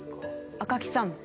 赤木さん